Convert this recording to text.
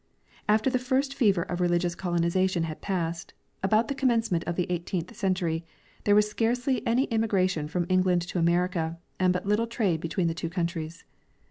After the first fever of religious colonization had passed, about the commencement of the eighteenth century, there was scarcely any emigration from England to America and but little trade between the two countries.